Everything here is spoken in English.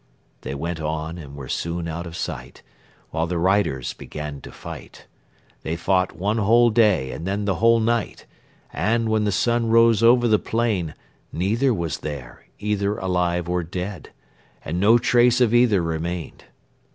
"They went on and were soon out of sight, while the riders began to fight. They fought one whole day and then the whole night and, when the sun rose over the plain, neither was there, either alive or dead, and no trace of either remained.